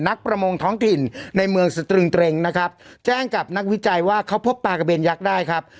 ประมงท้องถิ่นในเมืองสตรึงเตร็งนะครับแจ้งกับนักวิจัยว่าเขาพบปลากระเบนยักษ์ได้ครับ